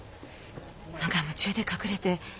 無我夢中で隠れて。